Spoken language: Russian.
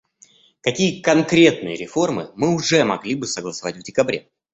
Какие конкретные реформы мы уже могли бы согласовать в декабре?